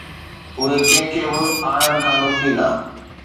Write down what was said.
اهي ڪنهن کي به آڻڻ کان روڪيندا.